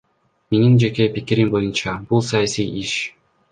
Менин жеке пикирим боюнча, бул саясий иш.